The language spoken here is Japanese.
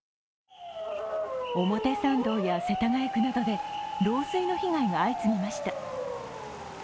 表参道や世田谷区などで漏水の被害が相次ぎました。